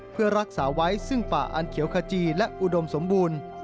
เพื่อรักษาไว้ซึ่งป่าอันเขียวขจีและอุดมสมบูรณ์